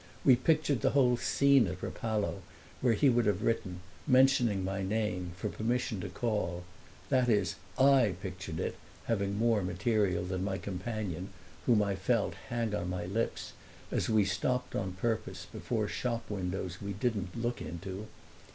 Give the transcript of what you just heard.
We pictured the whole scene at Rapallo, where he would have written, mentioning my name, for permission to call; that is I pictured it, having more material than my companion, whom I felt hang on my lips as we stopped on purpose before shop windows we didn't look into.